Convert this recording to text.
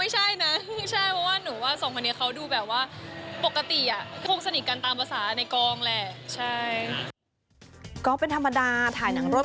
จะไม่ค่อยถูกกันซะตาม